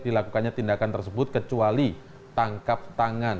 dilakukannya tindakan tersebut kecuali tangkap tangan